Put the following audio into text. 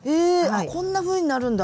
あっこんなふうになるんだ。